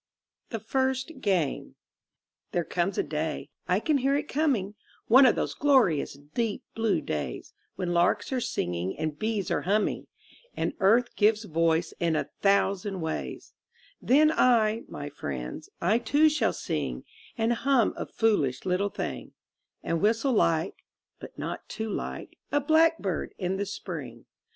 THE FIRST GAME There comes a Day (I can hear it coming), One of those glorious deep blue days, When larks are singing and bees are humming, And Earth gives voice in a thousand ways Then I, my friends, I too shall sing, And hum a foolish little thing, And whistle like (but not too like) a blackbird in the Spring.